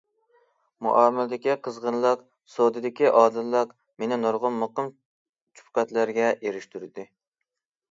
مۇئامىلىدىكى قىزغىنلىق، سودىدىكى ئادىللىق مېنى نۇرغۇن مۇقىم چۆپقەتلەرگە ئېرىشتۈردى.